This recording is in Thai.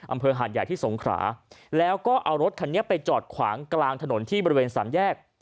หาดใหญ่ที่สงขราแล้วก็เอารถคันนี้ไปจอดขวางกลางถนนที่บริเวณสามแยก